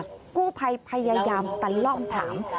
กู้ภัยพยายามตะล่อมถาม